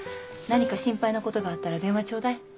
何か心配なことがあったら電話ちょうだい。